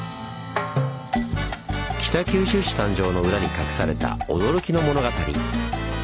北九州市誕生の裏に隠された驚きの物語。